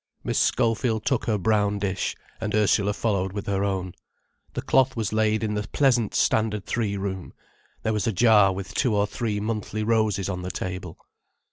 Miss Schofield took her brown dish, and Ursula followed with her own. The cloth was laid in the pleasant Standard Three room, there was a jar with two or three monthly roses on the table.